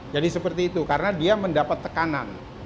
jadi seperti itu karena dia mendapat tekanan